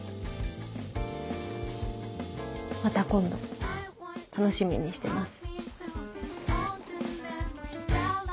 また今度楽しみにしてます。